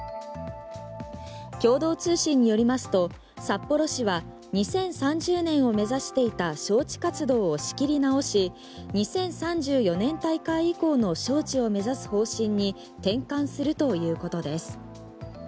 共同通信によりますと札幌市は２０３０年を目指していた招致活動を仕切り直し２０３４年大会以降の招致を目指す方針に転換するということです。